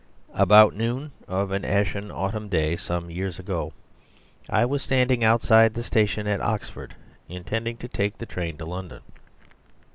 ..... About noon of an ashen autumn day some years ago I was standing outside the station at Oxford intending to take the train to London.